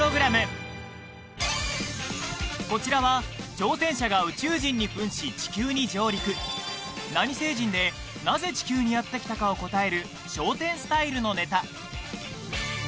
こちらは挑戦者が宇宙人に扮し地球に上陸何星人でなぜ地球にやってきたかを答える「笑点」スタイルのネタ